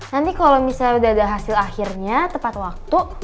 nanti kalau misalnya udah ada hasil akhirnya tepat waktu